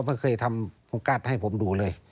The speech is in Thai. พ่อเธอเคยทำประการให้ผมดูเลย